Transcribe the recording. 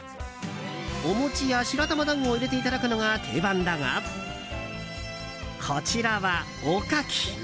お餅や白玉団子を入れていただくのが定番だがこちらは、おかき。